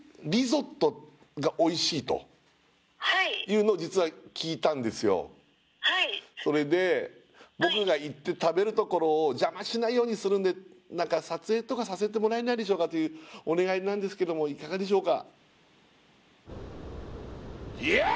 あの私☎はいあの今それで僕が行って食べるところを邪魔しないようにするんで撮影とかさせてもらえないでしょうかというお願いなんですけどもいかがでしょうか？